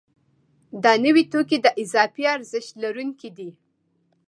دا نوي توکي د اضافي ارزښت لرونکي دي